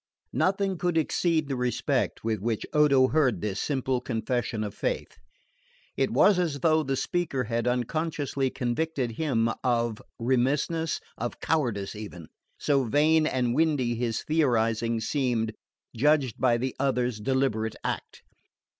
Nothing could exceed the respect with which Odo heard this simple confession of faith. It was as though the speaker had unconsciously convicted him of remissness, of cowardice even; so vain and windy his theorising seemed, judged by the other's deliberate act!